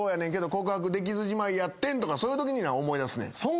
告白できずじまいやってん」とかそういうときに思い出すねん。